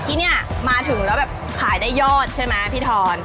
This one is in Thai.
ที่นี่มาถึงแล้วแบบขายได้ยอดใช่ไหมพี่ทอน